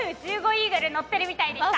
イーグルに乗ってるみたいでした。